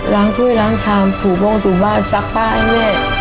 ถ้วยล้างชามถูบ้งถูบ้านซักผ้าให้แม่